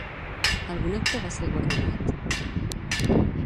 Algun actor va ser guardonat?